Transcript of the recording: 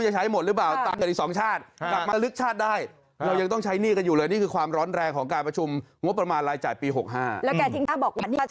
นี่อยู่ประเทศเดียวกันหรือเปล่าครับ